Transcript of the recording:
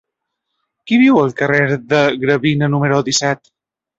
Qui viu al carrer de Gravina número disset?